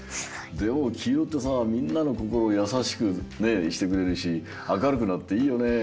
でもきいろってさみんなのこころをやさしくしてくれるしあかるくなっていいよねえ。